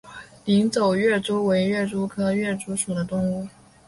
鸣走跃蛛为跳蛛科跃蛛属的动物。